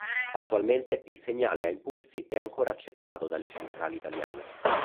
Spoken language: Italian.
Attualmente il segnale a impulsi è ancora accettato dalle centrali italiane.